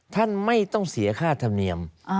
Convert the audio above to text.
ท่านไม่ต้องเสียค่าธรรมเนียม